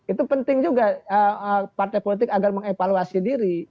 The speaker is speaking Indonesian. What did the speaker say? itu penting juga partai politik agar mengevaluasi diri